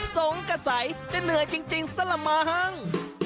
สงสัยจะเหนื่อยจริงซะละมั้ง